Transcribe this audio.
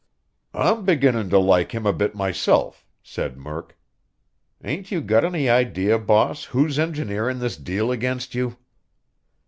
"I'm beginnin' to like him a bit myself," said Murk. "Ain't you got any idea, boss, who's engineerin' this deal against you?"